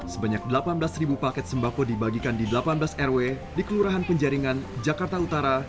sebanyak delapan belas paket sembako dibagikan di delapan belas rw di kelurahan penjaringan jakarta utara